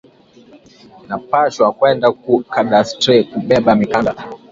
Ina pashwa kwenda ku cadastre ku beba mikanda